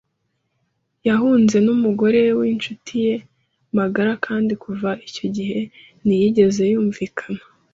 Yahunze n'umugore w'incuti ye magara kandi kuva icyo gihe ntiyigeze yumvikana.